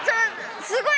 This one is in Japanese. すごい。